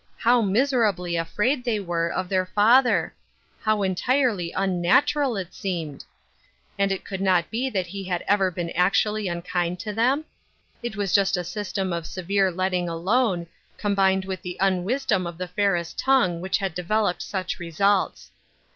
How miserably afraid they were of their father I How entirely unnatural it seemed ! And it could not be that he had ever been act ually unkiiid to them ? It was just a system of severe letting alone, combined with the unwift" My Daughters. 299 dom of the Ferris tongue which had developed such results.